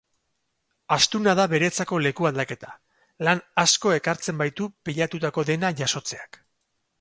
Astuna da beretzako leku aldaketa, lan asko ekartzen baitu pilatutako dena jasotzeak.